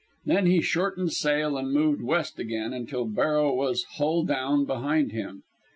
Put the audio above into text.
Then he shortened sail and moved west again till Barrow was "hull down" behind him.